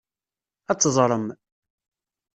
Ad teẓrem.